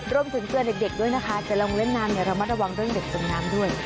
รวมถึงเตือนเด็กด้วยนะคะจะลงเล่นน้ำระมัดระวังเรื่องเด็กจมน้ำด้วย